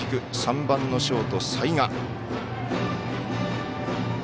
中軸、３番のショート、齊賀。